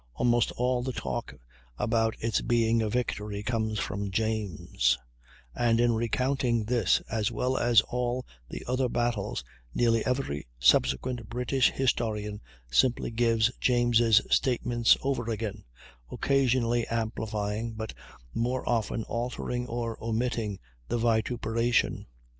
Almost all the talk about its being a "victory" comes from James; and in recounting this, as well as all the other battles, nearly every subsequent British historian simply gives James' statements over again, occasionally amplifying, but more often altering or omitting, the vituperation.